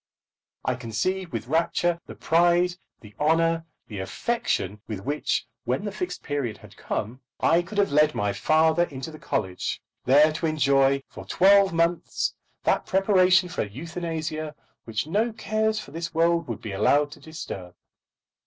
I can conceive with rapture the pride, the honour, the affection with which, when the Fixed Period had come, I could have led my father into the college, there to enjoy for twelve months that preparation for euthanasia which no cares for this world would be allowed to disturb.